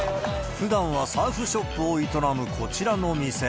ふだんはサーフショップを営むこちらの店。